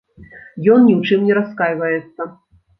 Ён ні ў чым не раскайваецца.